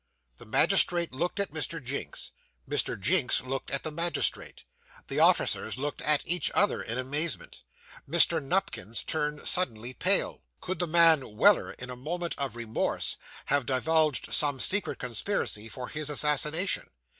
The magistrate looked at Mr. Jinks; Mr. Jinks looked at the magistrate; the officers looked at each other in amazement. Mr. Nupkins turned suddenly pale. Could the man Weller, in a moment of remorse, have divulged some secret conspiracy for his assassination?